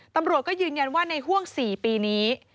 ตำรวจก็ยืนยันว่าในห่วง๔ปีนี้